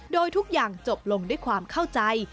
โดยทุกอย่างจบลงด้วยความเข้าใจ